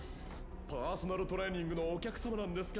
パーソナルトレーニングのお客様なんですけ